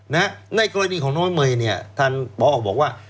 ในกรณีของน้องมัยเมยย์ท่านเบาะออกบอกว่า